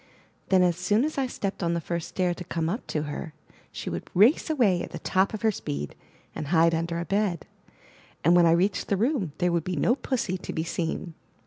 Then as soon as I stepped on the first stair to come up to her, she would race away at the top of her speed, and hide under a bed; and when I reached the room, there would be no Pussy to be seen.